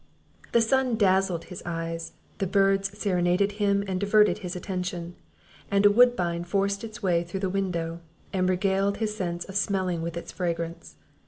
The sun dazzled his eyes, the birds serenaded him and diverted his attention, and a woodbine forced its way through the window, and regaled his sense of smelling with its fragrance.